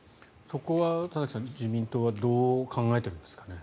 そこは田崎さん、自民党はどう考えてるんですかね。